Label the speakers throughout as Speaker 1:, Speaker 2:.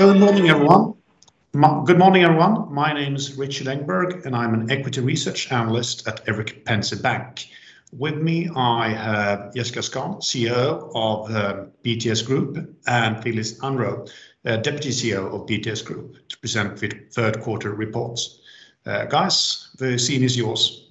Speaker 1: Good morning, everyone. My name is Rikard Engberg, and I'm an Equity Research Analyst at Erik Penser Bank. With me, I have Jessica Skon, CEO of BTS Group, and Philios Andreou, Deputy CEO of BTS Group, to present the third quarter reports. Guys, the scene is yours.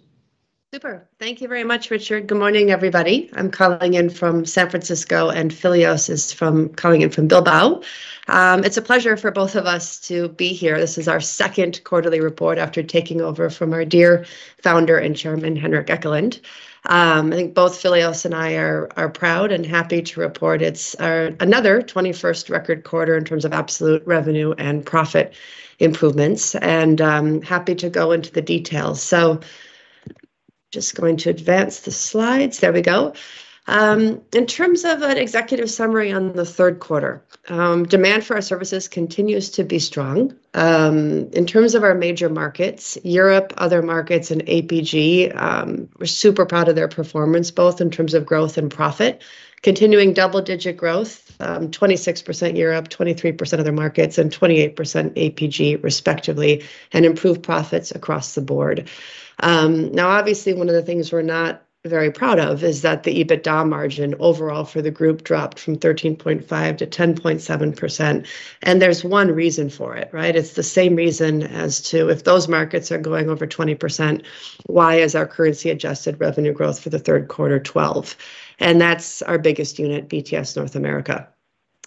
Speaker 2: Super. Thank you very much, Rikard. Good morning, everybody. I'm calling in from San Francisco, and Philios is calling in from Bilbao. It's a pleasure for both of us to be here. This is our second quarterly report after taking over from our dear Founder and Chairman, Henrik Ekelund. I think both Philios and I are proud and happy to report it's another 21st record quarter in terms of absolute revenue and profit improvements, and happy to go into the details. Just going to advance the slides. There we go. In terms of an executive summary on the third quarter, demand for our services continues to be strong. In terms of our major markets, Europe, other markets, and APG, we're super proud of their performance, both in terms of growth and profit. Continuing double-digit growth, 26% Europe, 23% other markets, and 28% APG respectively, and improved profits across the board. Now, obviously, one of the things we're not very proud of is that the EBITDA margin overall for the group dropped from 13.5% to 10.7%. There's one reason for it, right? It's the same reason as to if those markets are going over 20%, why is our currency-adjusted revenue growth for the third quarter 12%? That's our biggest unit, BTS North America.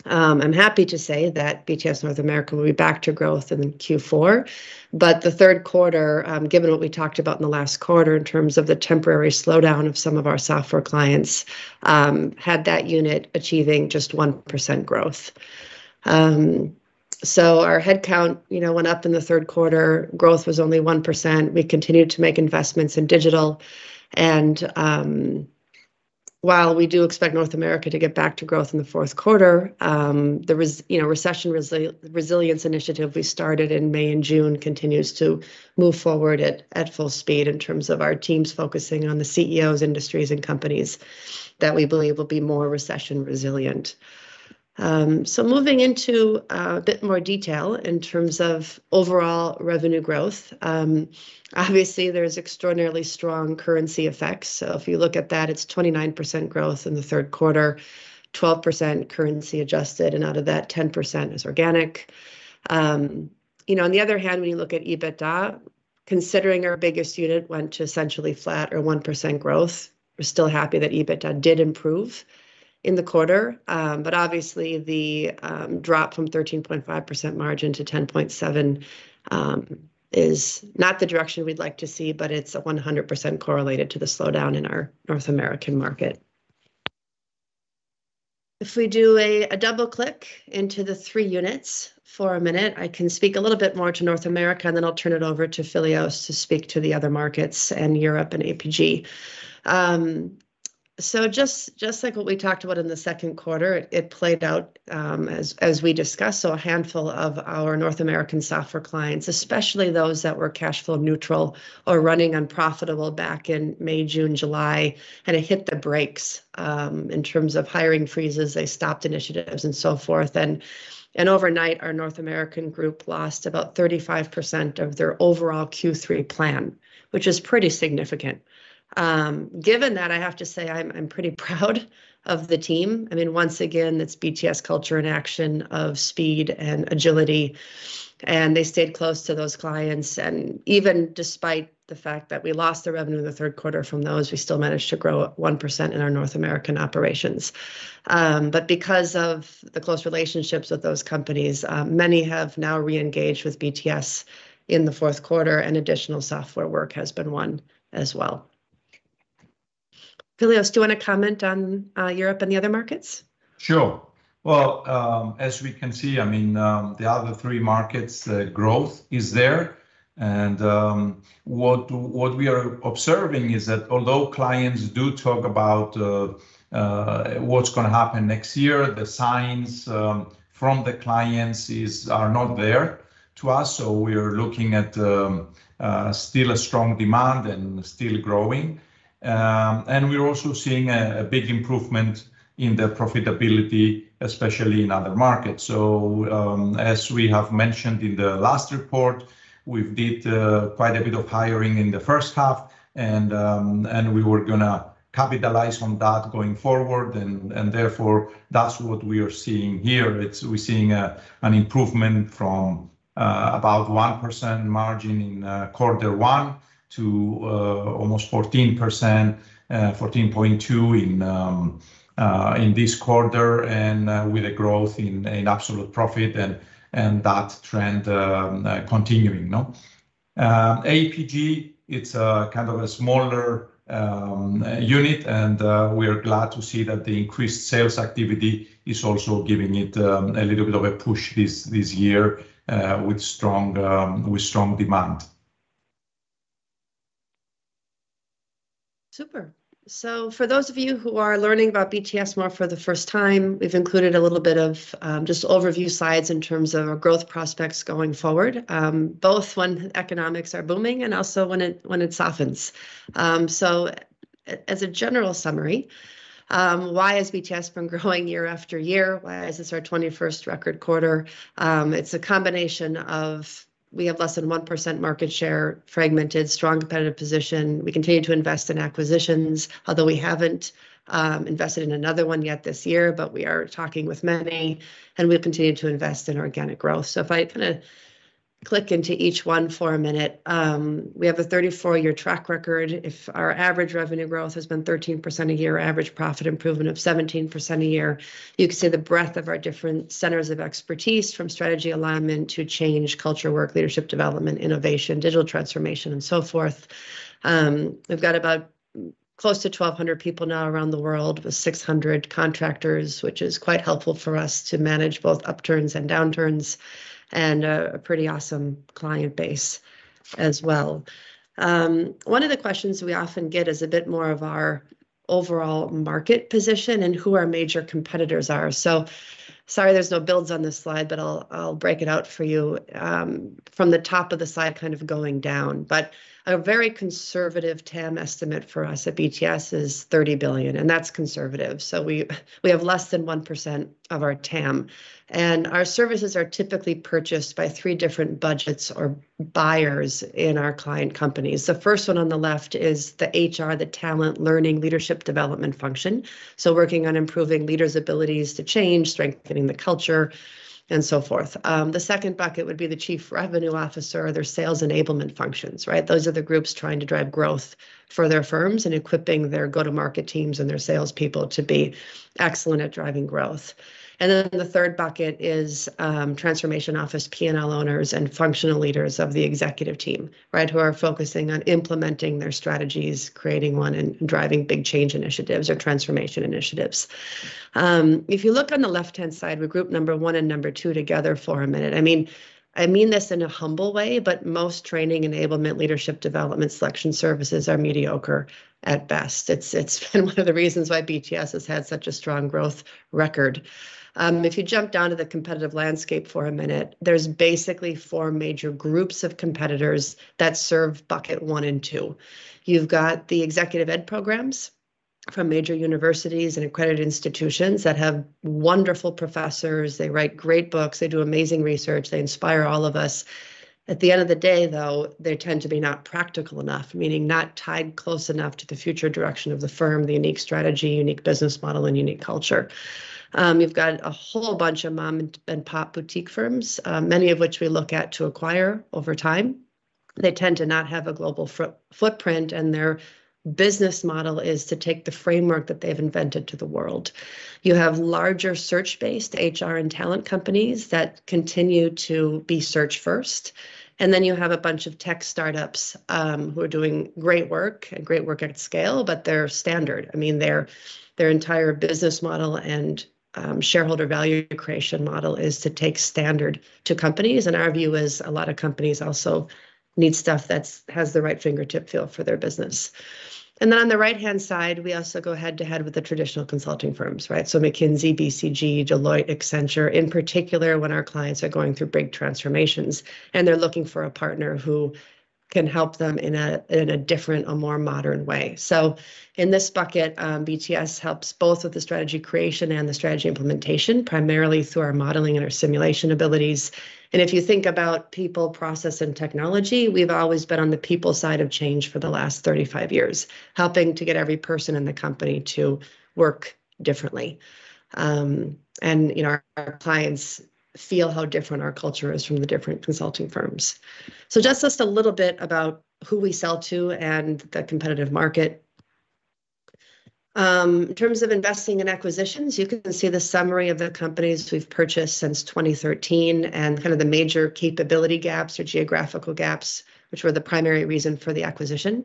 Speaker 2: I'm happy to say that BTS North America will be back to growth in Q4. The third quarter, given what we talked about in the last quarter in terms of the temporary slowdown of some of our software clients, had that unit achieving just 1% growth. Our headcount, you know, went up in the third quarter, growth was only 1%. We continued to make investments in digital. While we do expect North America to get back to growth in the fourth quarter, there was, you know, Recession Resilience Initiative we started in May and June continues to move forward at full speed in terms of our teams focusing on the CEOs, industries, and companies that we believe will be more recession-resilient. Moving into a bit more detail in terms of overall revenue growth, obviously, there's extraordinarily strong currency effects. If you look at that, it's 29% growth in the third quarter, 12% currency adjusted, and out of that, 10% is organic. You know, on the other hand, when you look at EBITDA, considering our biggest unit went to essentially flat or 1% growth, we're still happy that EBITDA did improve in the quarter. Obviously the drop from 13.5% margin to 10.7% is not the direction we'd like to see, but it's 100% correlated to the slowdown in our North American market. If we do a double click into the three units for a minute, I can speak a little bit more to North America, and then I'll turn it over to Philios to speak to the other markets and Europe and APAC. Just like what we talked about in the second quarter, it played out as we discussed. A handful of our North American software clients, especially those that were cash flow neutral or running unprofitable back in May, June, July, kinda hit the brakes in terms of hiring freezes, they stopped initiatives and so forth. Overnight, our North American group lost about 35% of their overall Q3 plan, which is pretty significant. Given that, I have to say, I'm pretty proud of the team. I mean, once again, it's BTS culture and action of speed and agility, and they stayed close to those clients. Even despite the fact that we lost the revenue in the third quarter from those, we still managed to grow 1% in our North American operations. Because of the close relationships with those companies, many have now reengaged with BTS in the fourth quarter, and additional software work has been won as well. Philios, do you wanna comment on Europe and the other markets?
Speaker 3: Sure. Well, as we can see, I mean, the other three markets, the growth is there. What we are observing is that although clients do talk about what's gonna happen next year, the signs from the clients are not there to us. We are looking at still a strong demand and still growing. We're also seeing a big improvement in the profitability, especially in other markets. As we have mentioned in the last report, we did quite a bit of hiring in the first half, and we were gonna capitalize on that going forward. Therefore, that's what we are seeing here. We're seeing an improvement from about 1% margin in quarter one to almost 14%, 14.2% in this quarter and with a growth in absolute profit and that trend continuing now. APG, it's a kind of a smaller unit, and we are glad to see that the increased sales activity is also giving it a little bit of a push this year with strong demand.
Speaker 2: Super. For those of you who are learning about BTS more for the first time, we've included a little bit of just overview slides in terms of our growth prospects going forward, both when economics are booming and also when it softens. As a general summary, why has BTS been growing year after year? Why is this our 21st record quarter? It's a combination of we have less than 1% market share, fragmented, strong competitive position. We continue to invest in acquisitions, although we haven't invested in another one yet this year, but we are talking with many, and we've continued to invest in organic growth. If I kind of click into each one for a minute, we have a 34-year track record. If... Our average revenue growth has been 13% a year, average profit improvement of 17% a year. You can see the breadth of our different centers of expertise, from strategy alignment to change, culture work, leadership development, innovation, digital transformation, and so forth. We've got about close to 1,200 people now around the world, with 600 contractors, which is quite helpful for us to manage both upturns and downturns, and a pretty awesome client base as well. One of the questions we often get is a bit more of our overall market position and who our major competitors are. Sorry there's no builds on this slide, but I'll break it out for you, from the top of the slide kind of going down. A very conservative TAM estimate for us at BTS is 30 billion, and that's conservative. We have less than 1% of our TAM. Our services are typically purchased by three different budgets or buyers in our client companies. The first one on the left is the HR, the talent, learning, leadership development function, so working on improving leaders' abilities to change, strengthening the culture, and so forth. The second bucket would be the chief revenue officer. They're sales enablement functions, right? Those are the groups trying to drive growth for their firms and equipping their go-to-market teams and their salespeople to be excellent at driving growth. The third bucket is transformation office, P&L owners, and functional leaders of the executive team, right, who are focusing on implementing their strategies, creating one, and driving big change initiatives or transformation initiatives. If you look on the left-hand side, we group number one and number two together for a minute. I mean this in a humble way, but most training enablement leadership development selection services are mediocre at best. It's been one of the reasons why BTS has had such a strong growth record. If you jump down to the competitive landscape for a minute, there's basically four major groups of competitors that serve bucket one and two. You've got the executive ed programs from major universities and accredited institutions that have wonderful professors. They write great books. They do amazing research. They inspire all of us. At the end of the day, though, they tend to be not practical enough, meaning not tied close enough to the future direction of the firm, the unique strategy, unique business model, and unique culture. You've got a whole bunch of mom-and-pop boutique firms, many of which we look at to acquire over time. They tend to not have a global footprint, and their business model is to take the framework that they've invented to the world. You have larger search-based HR and talent companies that continue to be search first. Then you have a bunch of tech startups who are doing great work at scale, but they're standard. I mean, their entire business model and shareholder value creation model is to take standard to companies. Our view is a lot of companies also need stuff that has the right fingertip feel for their business. On the right-hand side, we also go head-to-head with the traditional consulting firms, right? McKinsey, BCG, Deloitte, Accenture, in particular when our clients are going through big transformations and they're looking for a partner who can help them in a different, a more modern way. In this bucket, BTS helps both with the strategy creation and the strategy implementation, primarily through our modeling and our simulation abilities. If you think about people, process, and technology, we've always been on the people side of change for the last 35 years, helping to get every person in the company to work differently. You know, our clients feel how different our culture is from the different consulting firms. Just a little bit about who we sell to and the competitive market. In terms of investing in acquisitions, you can see the summary of the companies we've purchased since 2013 and kind of the major capability gaps or geographical gaps, which were the primary reason for the acquisition.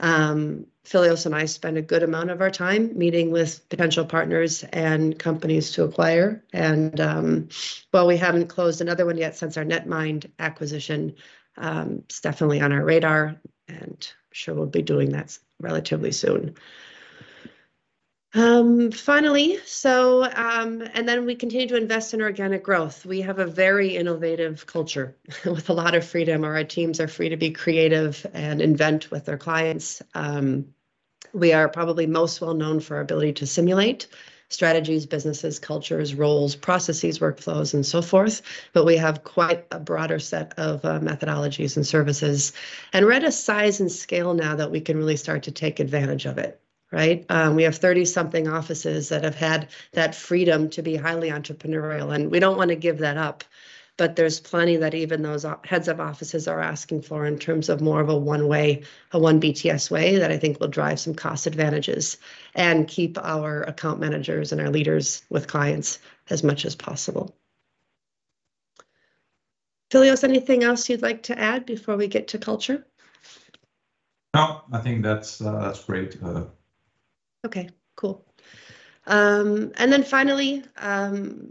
Speaker 2: Philios and I spend a good amount of our time meeting with potential partners and companies to acquire. While we haven't closed another one yet since our Netmind acquisition, it's definitely on our radar, and I'm sure we'll be doing that relatively soon. Finally, we continue to invest in organic growth. We have a very innovative culture with a lot of freedom. Our teams are free to be creative and invent with their clients. We are probably most well-known for our ability to simulate strategies, businesses, cultures, roles, processes, workflows, and so forth. We have quite a broader set of methodologies and services. We're at a size and scale now that we can really start to take advantage of it, right? We have 30-something offices that have had that freedom to be highly entrepreneurial, and we don't wanna give that up. There's plenty that even those heads of offices are asking for in terms of more of a one way, a one BTS way, that I think will drive some cost advantages and keep our account managers and our leaders with clients as much as possible. Philios, anything else you'd like to add before we get to culture?
Speaker 3: No, I think that's great.
Speaker 2: Okay, cool. Then finally,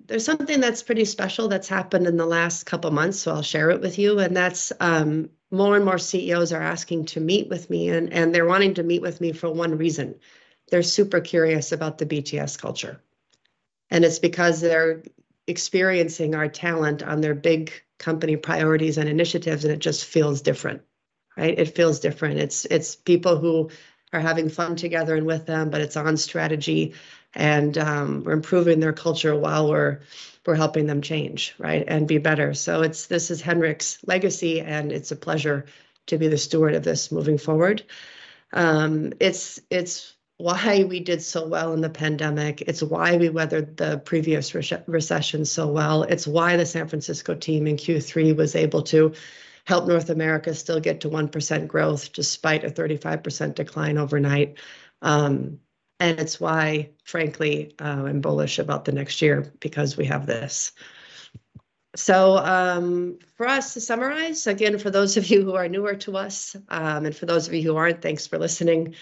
Speaker 2: there's something that's pretty special that's happened in the last couple months, so I'll share it with you, and that's more and more CEOs are asking to meet with me, and they're wanting to meet with me for one reason: they're super curious about the BTS culture. And it's because they're experiencing our talent on their big company priorities and initiatives, and it just feels different, right? It feels different. It's people who are having fun together and with them, but it's on strategy, and we're improving their culture while we're helping them change, right, and be better. It's this. This is Henrik's legacy, and it's a pleasure to be the steward of this moving forward. It's why we did so well in the pandemic. It's why we weathered the previous recession so well. It's why the San Francisco team in Q3 was able to help North America still get to 1% growth despite a 35% decline overnight. It's why, frankly, I'm bullish about the next year because we have this. For us, to summarize, again, for those of you who are newer to us, and for those of you who aren't, thanks for listening.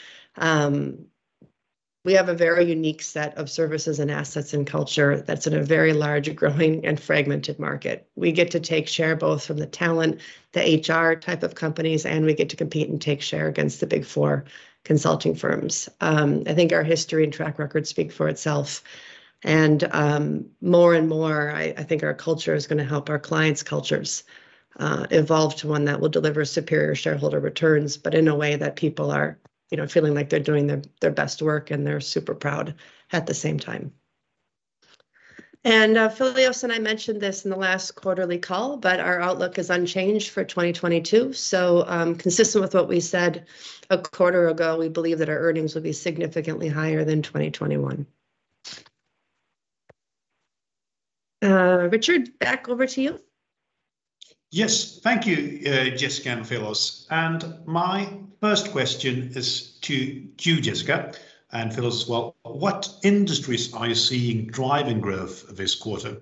Speaker 2: We have a very unique set of services and assets and culture that's in a very large, growing, and fragmented market. We get to take share both from the talent, the HR type of companies, and we get to compete and take share against the Big 4 consulting firms. I think our history and track record speak for itself. More and more, I think our culture is gonna help our clients' cultures evolve to one that will deliver superior shareholder returns, but in a way that people are, you know, feeling like they're doing their best work, and they're super proud at the same time. Philios and I mentioned this in the last quarterly call, but our outlook is unchanged for 2022. Consistent with what we said a quarter ago, we believe that our earnings will be significantly higher than 2021. Rikard, back over to you.
Speaker 1: Yes. Thank you, Jessica and Philios. My first question is to you, Jessica and Philios. Well, what industries are you seeing driving growth this quarter?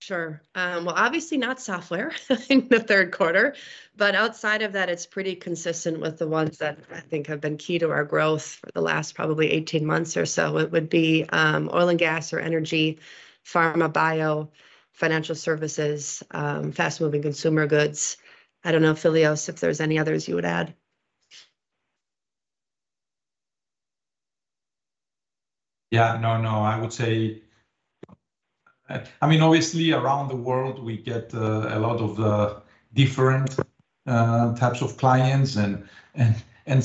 Speaker 2: Sure. Obviously not software in the third quarter. Outside of that, it's pretty consistent with the ones that I think have been key to our growth for the last probably 18 months or so. It would be oil and gas or energy, pharma, bio, financial services, fast-moving consumer goods. I don't know, Philios, if there's any others you would add?
Speaker 3: Yeah. No, no, I would say, I mean, obviously around the world we get a lot of different types of clients.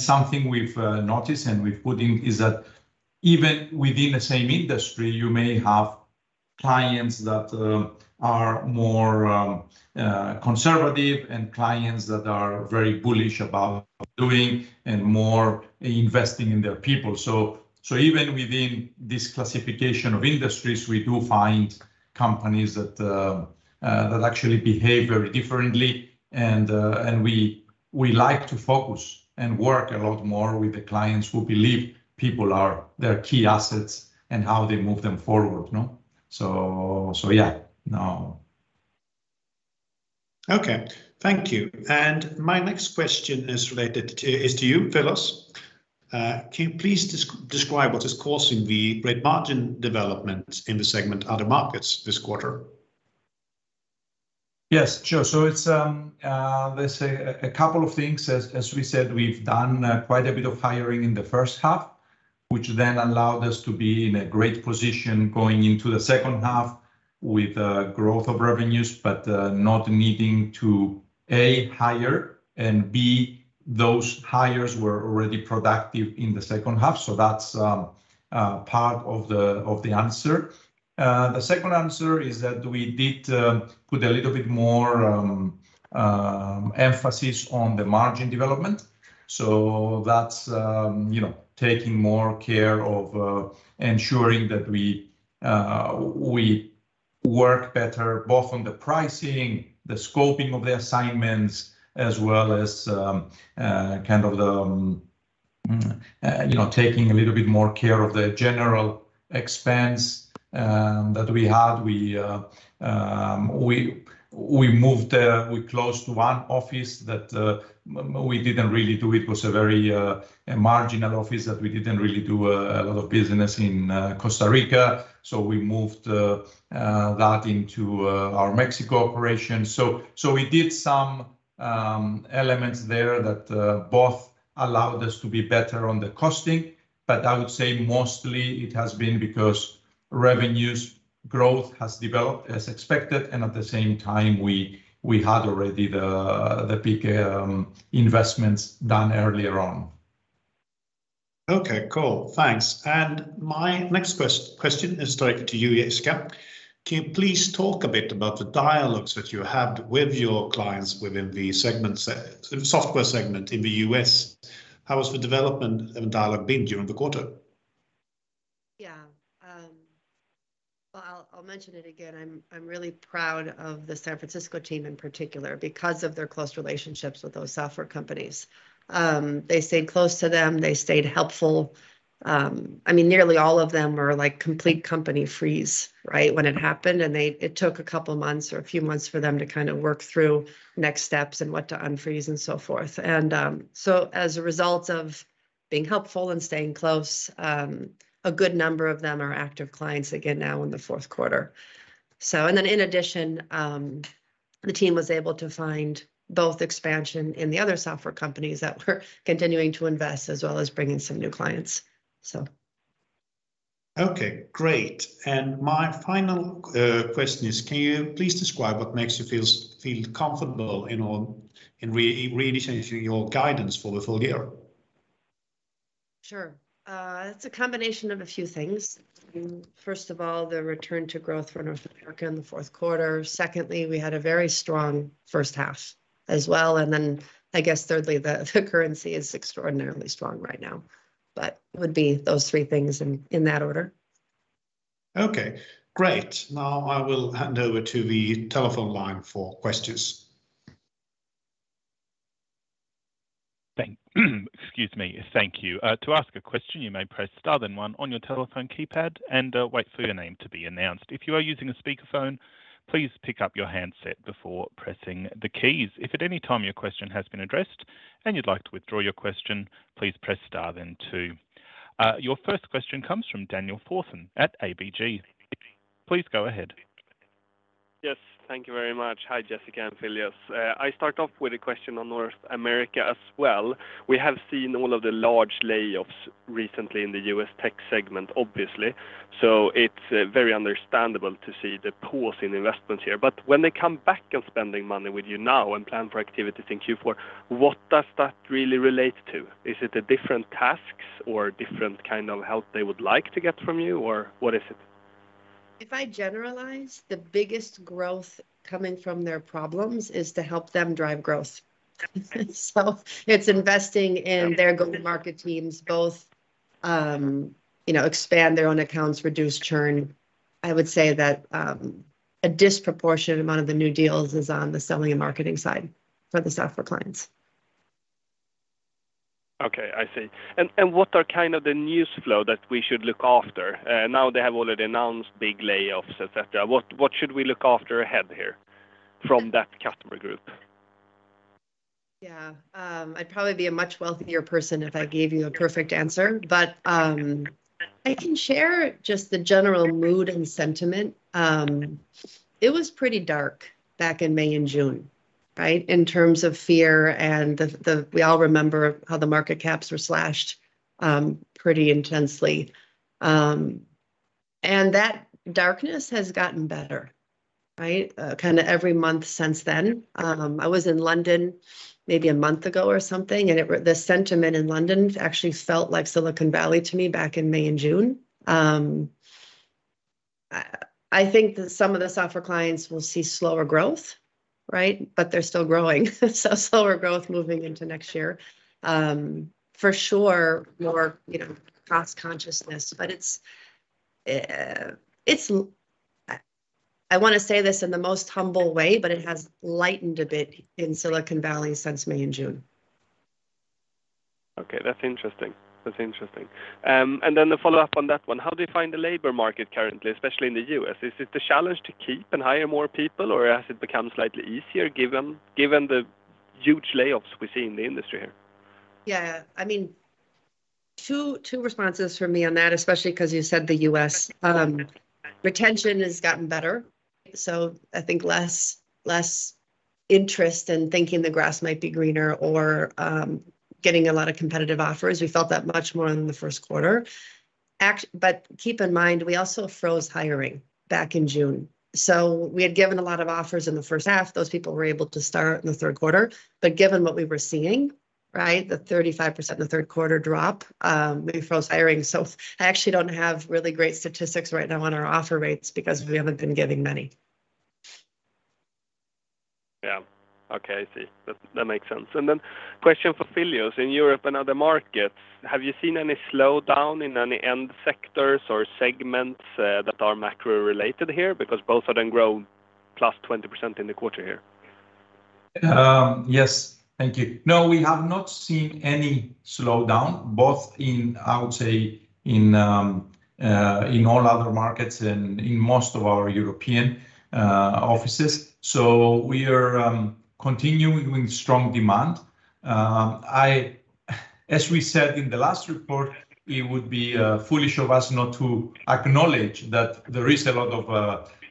Speaker 3: Something we've noticed and we've put in is that even within the same industry you may have clients that are more conservative and clients that are very bullish about doing and more investing in their people. Even within this classification of industries, we do find companies that actually behave very differently, and we like to focus and work a lot more with the clients who believe people are their key assets and how they move them forward, no? Yeah, no.
Speaker 1: Okay. Thank you. My next question is related to you, Philios. Can you please describe what is causing the great margin development in the segment other markets this quarter?
Speaker 3: Yes. Sure. It's let's say a couple of things. As we said, we've done quite a bit of hiring in the first half, which then allowed us to be in a great position going into the second half with growth of revenues, but not needing to, A, hire, and B, those hires were already productive in the second half. That's part of the answer. The second answer is that we did put a little bit more emphasis on the margin development. That's you know, taking more care of ensuring that we work better both on the pricing, the scoping of the assignments, as well as kind of the you know, taking a little bit more care of the general expense that we had. We closed one office that we didn't really do a lot of business in, Costa Rica, so we moved that into our Mexico operation. We did some elements there that both allowed us to be better on the costing, but I would say mostly it has been because revenue growth has developed as expected, and at the same time we had already the big investments done earlier on.
Speaker 1: Okay. Cool. Thanks. My next question is directed to you, Jessica. Can you please talk a bit about the dialogues that you had with your clients within the software segment in the U.S.? How has the development and dialogue been during the quarter?
Speaker 2: Yeah. Well, I'll mention it again. I'm really proud of the San Francisco team in particular because of their close relationships with those software companies. They stayed close to them. They stayed helpful. I mean, nearly all of them were, like, complete company freeze, right, when it happened. It took a couple months or a few months for them to kind of work through next steps and what to unfreeze and so forth. As a result of being helpful and staying close, a good number of them are active clients again now in the fourth quarter. In addition, the team was able to find both expansion in the other software companies that we're continuing to invest, as well as bring in some new clients, so.
Speaker 1: Okay, great. My final question is, can you please describe what makes you feel comfortable in revising your guidance for the full year?
Speaker 2: Sure. It's a combination of a few things. First of all, the return to growth for North America in the fourth quarter. Secondly, we had a very strong first half as well. I guess thirdly, the currency is extraordinarily strong right now, but it would be those three things in that order.
Speaker 1: Okay, great. Now I will hand over to the telephone line for questions.
Speaker 4: Excuse me. Thank you. To ask a question, you may press star then one on your telephone keypad, and wait for your name to be announced. If you are using a speakerphone, please pick up your handset before pressing the keys. If at any time your question has been addressed and you'd like to withdraw your question, please press star then two. Your first question comes from Daniel Thorson at ABG. Please go ahead.
Speaker 5: Yes, thank you very much. Hi, Jessica and Philios. I start off with a question on North America as well. We have seen all of the large layoffs recently in the U.S. tech segment, obviously. It's very understandable to see the pause in investments here. When they come back on spending money with you now and plan for activities in Q4, what does that really relate to? Is it the different tasks or different kind of help they would like to get from you, or what is it?
Speaker 2: If I generalize, the biggest growth coming from their problems is to help them drive growth. It's investing in their go-to-market teams, both, you know, expand their own accounts, reduce churn. I would say that, a disproportionate amount of the new deals is on the selling and marketing side for the software clients.
Speaker 5: Okay. I see. What are kind of the news flow that we should look after? Now they have already announced big layoffs, et cetera. What should we look after ahead here from that customer group?
Speaker 2: Yeah. I'd probably be a much wealthier person if I gave you a perfect answer, but I can share just the general mood and sentiment. It was pretty dark back in May and June, right? In terms of fear. We all remember how the market caps were slashed pretty intensely. That darkness has gotten better, right? Kind of every month since then. I was in London maybe a month ago or something, and the sentiment in London actually felt like Silicon Valley to me back in May and June. I think that some of the software clients will see slower growth, right? They're still growing. Slower growth moving into next year. For sure more, you know, cost consciousness. It's, I want to say this in the most humble way, but it has lightened a bit in Silicon Valley since May and June.
Speaker 5: Okay, that's interesting. The follow-up on that one, how do you find the labor market currently, especially in the U.S.? Is it a challenge to keep and hire more people, or has it become slightly easier given the huge layoffs we see in the industry here?
Speaker 2: Yeah. I mean, two responses from me on that, especially 'cause you said the U.S. Retention has gotten better, so I think less interest in thinking the grass might be greener or getting a lot of competitive offers. We felt that much more in the first quarter. Keep in mind, we also froze hiring back in June. We had given a lot of offers in the first half. Those people were able to start in the third quarter. Given what we were seeing, right, the 35% drop in the third quarter, we froze hiring. I actually don't have really great statistics right now on our offer rates because we haven't been giving many.
Speaker 5: Yeah. Okay. I see. That makes sense. Question for Philios. In Europe and other markets, have you seen any slowdown in any end sectors or segments that are macro related here? Because both of them grow +20% in the quarter here.
Speaker 3: Yes. Thank you. No, we have not seen any slowdown both in, I would say, all other markets and in most of our European offices. We are continuing with strong demand. As we said in the last report, it would be foolish of us not to acknowledge that there is a lot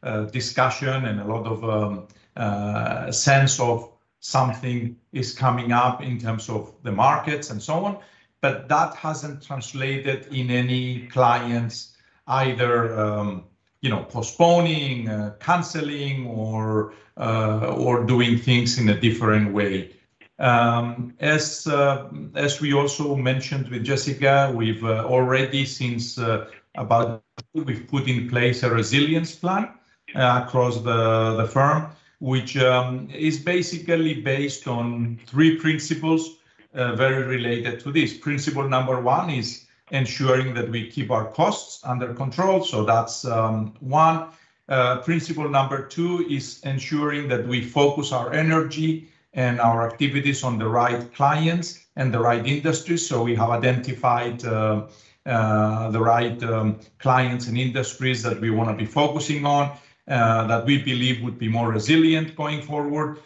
Speaker 3: of discussion and a lot of sense of something is coming up in terms of the markets and so on, but that hasn't translated in any clients either, you know, postponing, canceling, or doing things in a different way. As we also mentioned with Jessica, we've already put in place a resilience plan across the firm, which is basically based on three principles very related to this. Principle number one is ensuring that we keep our costs under control. That's one. Principle number two is ensuring that we focus our energy and our activities on the right clients and the right industries. We have identified the right clients and industries that we wanna be focusing on, that we believe would be more resilient going forward.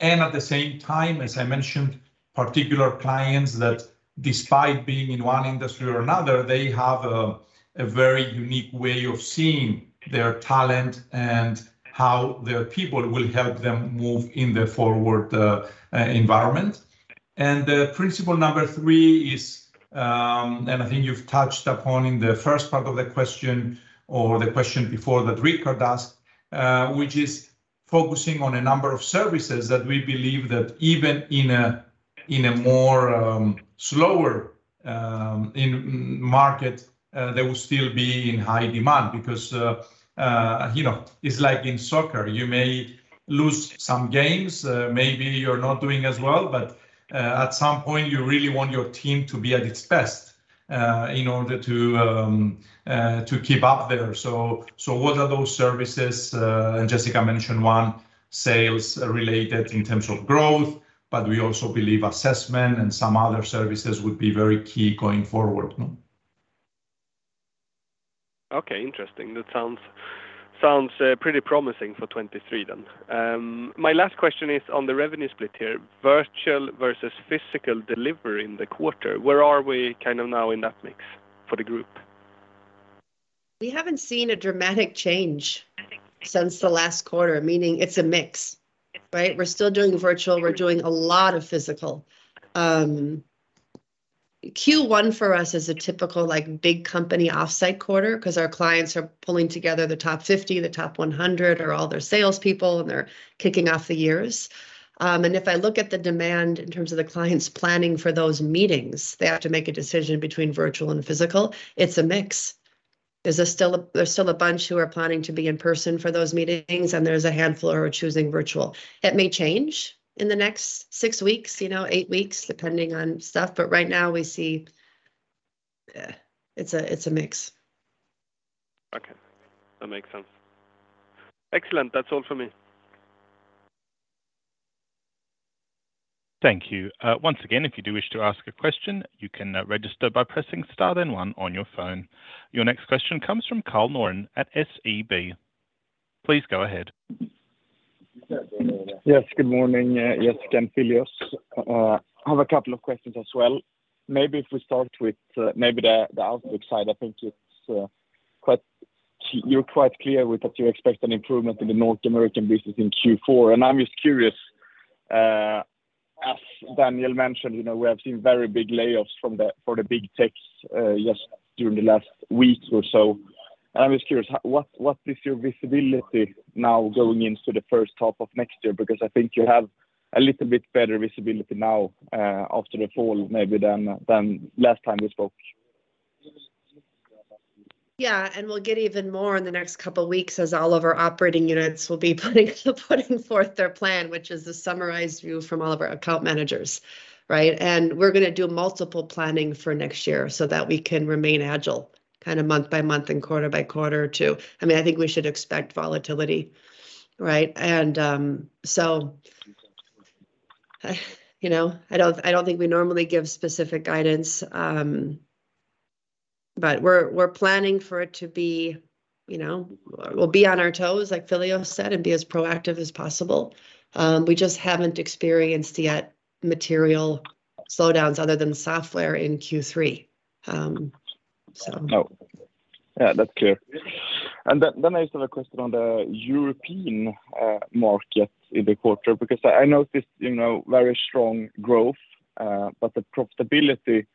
Speaker 3: At the same time, as I mentioned, particular clients that despite being in one industry or another, they have a very unique way of seeing their talent and how their people will help them move in the forward environment. Principle number three is, and I think you've touched upon in the first part of the question or the question before that Rikard asked, which is focusing on a number of services that we believe that even in a slower market, they will still be in high demand because, you know, it's like in soccer, you may lose some games, maybe you're not doing as well, but at some point you really want your team to be at its best, in order to to keep up there. So what are those services? Jessica mentioned one sales related in terms of growth, but we also believe assessment and some other services would be very key going forward.
Speaker 5: Okay. Interesting. That sounds pretty promising for 2023 then. My last question is on the revenue split here, virtual versus physical delivery in the quarter. Where are we kind of now in that mix for the group?
Speaker 2: We haven't seen a dramatic change since the last quarter, meaning it's a mix, right? We're still doing virtual. We're doing a lot of physical. Q1 for us is a typical like big company offsite quarter 'cause our clients are pulling together the top 50, the top 100 or all their sales people, and they're kicking off the years. If I look at the demand in terms of the clients planning for those meetings, they have to make a decision between virtual and physical. It's a mix. There's still a bunch who are planning to be in person for those meetings, and there's a handful who are choosing virtual. It may change in the next six weeks, you know, eight weeks, depending on stuff, but right now we see, it's a mix.
Speaker 5: Okay, that makes sense. Excellent. That's all for me.
Speaker 4: Thank you. Once again, if you do wish to ask a question, you can register by pressing star then one on your phone. Your next question comes from Karl-Johan at SEB. Please go ahead.
Speaker 6: Yes, good morning, Jessica and Philios. I have a couple of questions as well. Maybe if we start with maybe the outlook side. I think it's quite. You're quite clear with that you expect an improvement in the North American business in Q4, and I'm just curious, as Daniel mentioned, you know, we have seen very big layoffs from the big techs just during the last week or so. I'm just curious, what is your visibility now going into the first half of next year? Because I think you have a little bit better visibility now, after the fall maybe than last time we spoke.
Speaker 2: Yeah. We'll get even more in the next couple weeks as all of our operating units will be putting forth their plan, which is the summarized view from all of our account managers, right? We're gonna do multiple planning for next year so that we can remain agile kind of month by month and quarter by quarter too. I mean, I think we should expect volatility, right? You know, I don't think we normally give specific guidance, but we're planning for it to be, you know, we'll be on our toes like Philios said, and be as proactive as possible. We just haven't yet experienced material slowdowns other than software in Q3.
Speaker 6: Oh, yeah, that's clear. I just have a question on the European market in the quarter because I noticed, you know, very strong growth, but the profitability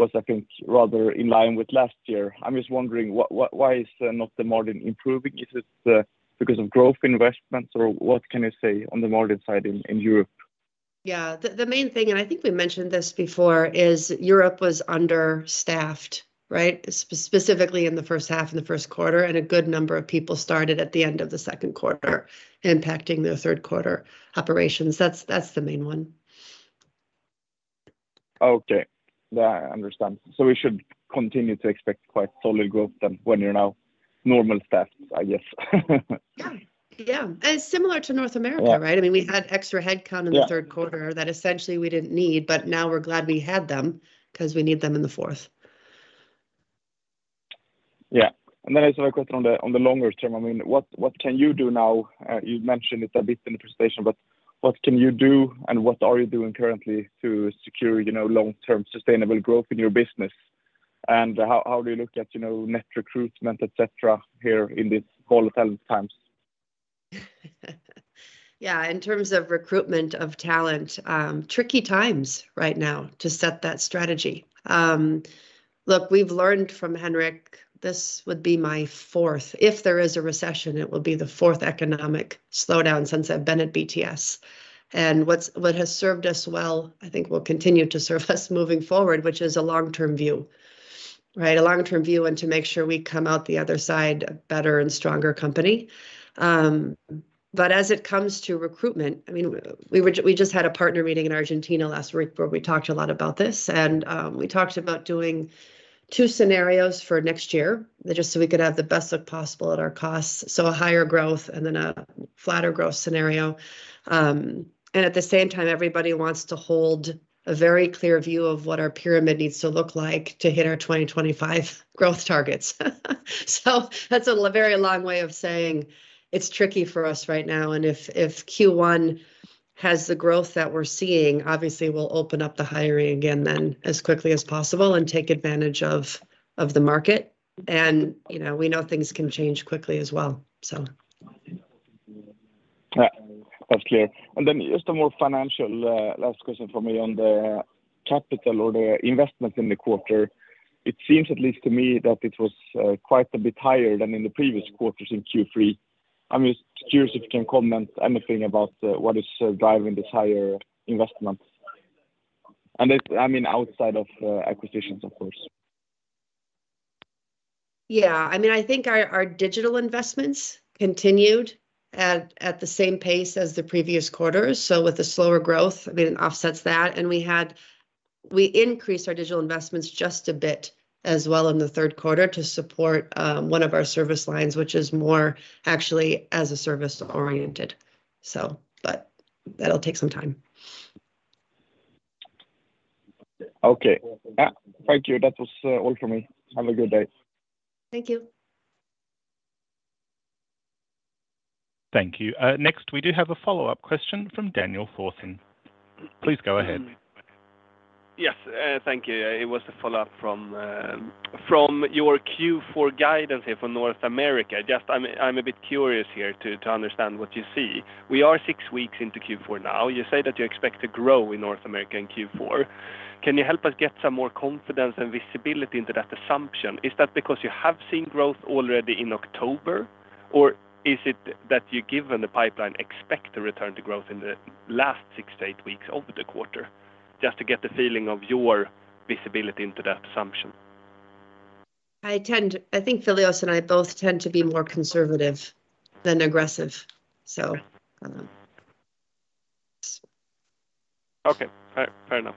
Speaker 6: was I think rather in line with last year. I'm just wondering why is not the margin improving? Is it because of growth investments or what can you say on the margin side in Europe?
Speaker 2: Yeah. The main thing, and I think we mentioned this before, is Europe was understaffed, right? Specifically in the first half, in the first quarter, and a good number of people started at the end of the second quarter impacting the third quarter operations. That's the main one.
Speaker 6: Okay. Yeah, I understand. We should continue to expect quite solid growth then when you're now normal staffed, I gues?.
Speaker 2: Yeah. Yeah. Similar to North America, right?
Speaker 6: Yeah.
Speaker 2: I mean, we had extra headcount.
Speaker 6: Yeah
Speaker 2: In the third quarter that essentially we didn't need, but now we're glad we had them 'cause we need them in the fourth.
Speaker 6: Yeah. Then I just have a question on the longer term. I mean, what can you do now? You've mentioned it a bit in the presentation, but what can you do and what are you doing currently to secure, you know, long-term sustainable growth in your business? How do you look at, you know, net recruitment, et cetera, here in these volatile times?
Speaker 2: Yeah. In terms of recruitment of talent, tricky times right now to set that strategy. Look, we've learned from Henrik, this would be my fourth. If there is a recession, it will be the fourth economic slowdown since I've been at BTS. What has served us well, I think will continue to serve us moving forward, which is a long-term view, right? A long-term view, and to make sure we come out the other side a better and stronger company. As it comes to recruitment, I mean, we just had a partner meeting in Argentina last week where we talked a lot about this and we talked about doing two scenarios for next year just so we could have the best look possible at our costs. A higher growth and then a flatter growth scenario. At the same time, everybody wants to hold a very clear view of what our pyramid needs to look like to hit our 2025 growth targets. That's a very long way of saying it's tricky for us right now and if Q1 has the growth that we're seeing obviously will open up the hiring again then as quickly as possible and take advantage of the market. You know, we know things can change quickly as well.
Speaker 6: Yeah. That's clear. Just a more financial last question from me on the capital or the investment in the quarter. It seems, at least to me, that it was quite a bit higher than in the previous quarters in Q3. I'm just curious if you can comment anything about what is driving this higher investment? This, I mean, outside of acquisitions, of course.
Speaker 2: Yeah. I mean, I think our digital investments continued at the same pace as the previous quarters. With the slower growth, I mean, it offsets that, and we increased our digital investments just a bit as well in the third quarter to support one of our service lines, which is more actually as-a-service oriented. That'll take some time.
Speaker 6: Okay. Thank you. That was all for me. Have a good day.
Speaker 2: Thank you.
Speaker 4: Thank you. Next, we do have a follow-up question from Daniel Thorson. Please go ahead.
Speaker 5: Yes, thank you. It was a follow-up from your Q4 guidance here for North America. Just I'm a bit curious here to understand what you see. We are six weeks into Q4 now. You say that you expect to grow in North America in Q4. Can you help us get some more confidence and visibility into that assumption? Is that because you have seen growth already in October, or is it that, given the pipeline, expect to return to growth in the last six to eight weeks of the quarter? Just to get the feeling of your visibility into that assumption.
Speaker 2: I think Philios and I both tend to be more conservative than aggressive, so.
Speaker 5: Okay. Fair enough.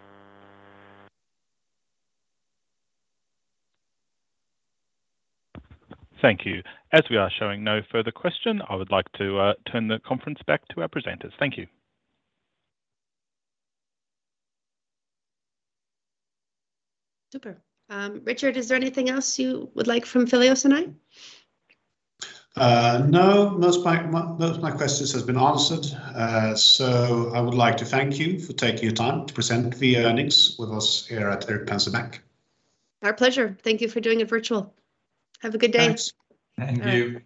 Speaker 4: Thank you. As we are seeing no further questions, I would like to turn the conference back to our presenters. Thank you.
Speaker 2: Super. Rikard, is there anything else you would like from Philios and I?
Speaker 1: No. Most my questions has been answered. I would like to thank you for taking your time to present the earnings with us here at Erik Penser Bank.
Speaker 2: Our pleasure. Thank you for doing it virtually. Have a good day.
Speaker 1: Thanks.
Speaker 5: Thank you.